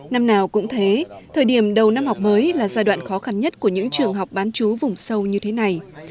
năm nào cũng thế thời điểm đầu năm học mới là giai đoạn khó khăn nhất của những trường học bán chú vùng sâu như thế này